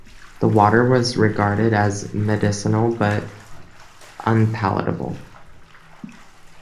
The water was regarded as medicinal but unpalatable.